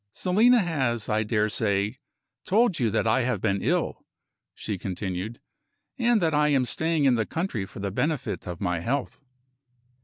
"Selina has, I daresay, told you that I have been ill," she continued, "and that I am staying in the country for the benefit of my health."